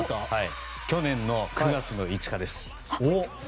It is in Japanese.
去年の９月５日です。